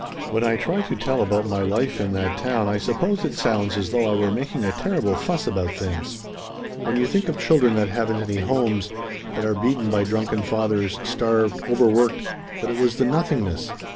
"When I try to tell about my life in that town I suppose it sounds as though I were making a terrible fuss about things. When you think of children that haven't any homes that are beaten by drunken fathers starved overworked but it was the nothingness.